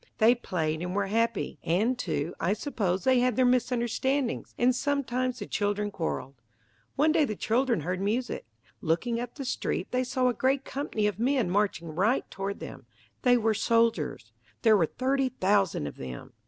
They played and were happy. And too, I suppose they had their misunderstandings, and sometimes the children quarreled. One day the children heard music. Looking up the street they saw a great company of men marching right toward them. They were soldiers. There were thirty thousand of them.